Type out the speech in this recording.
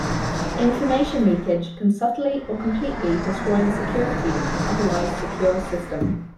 Information leakage can subtly or completely destroy the security of an otherwise secure system.